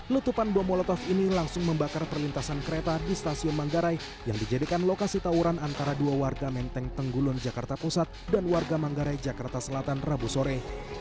letupan bom molotov ini langsung membakar perlintasan kereta di stasiun manggarai yang dijadikan lokasi tawuran antara dua warga menteng tenggulun jakarta pusat dan warga manggarai jakarta selatan rabu sore